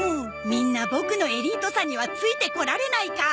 みんなボクのエリートさにはついてこられないか。